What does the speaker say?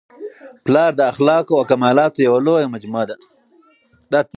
پلار د اخلاقو او کمالاتو یوه لویه مجموعه ده.